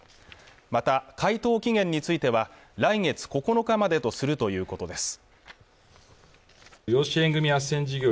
また回答期限については来月９日までとするということです